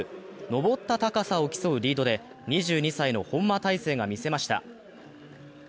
登った高さを競うリードで２２歳の本間大晴が見せました。